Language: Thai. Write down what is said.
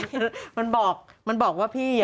อุ๊ยมันบอกมันบอกว่าพี่อย่าบอก